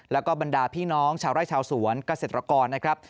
แล้วก็บรรดาพี่น้องชาวไร่ชาวสวนเกษตรกรนะครับ